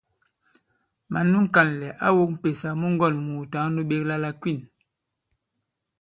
Mǎn nu ŋ̀kànlɛ̀ ǎ wōk m̀pèsà mu ŋgɔ̂n-mùùtǎŋ nu ɓēkla la Kwîn.